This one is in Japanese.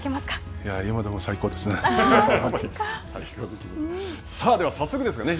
今でも最高ですね。